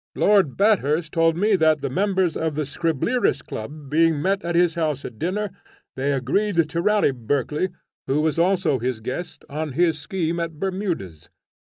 "Lord Bathurst told me that the members of the Scriblerus club being met at his house at dinner, they agreed to rally Berkeley, who was also his guest, on his scheme at Bermudas.